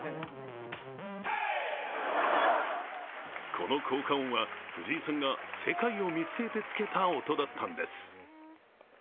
この効果音は藤井さんが世界を見据えてつけた音だったんです。